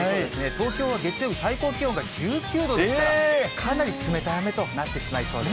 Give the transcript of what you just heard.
東京は月曜日、最高気温が１９度ですから、かなり冷たい雨となってしまいそうです。